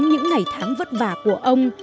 những ngày tháng vất vả của ông